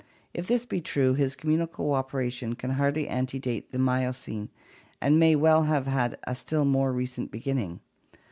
If this be true, his com munal cooperation can hardly antedate the Miocene and may well have had a still more recent beginning.